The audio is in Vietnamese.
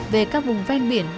về các vùng ven biển